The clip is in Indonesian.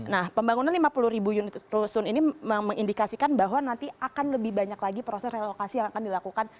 nah pembangunan lima puluh ribu unit rusun ini mengindikasikan bahwa nanti akan lebih banyak lagi proses relokasi yang akan dilakukan